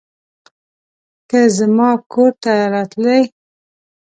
که زما کور ته راتلې